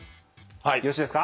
よろしいですか？